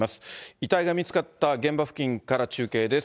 遺体が見つかった現場付近から中継です。